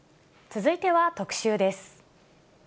続いては特集です。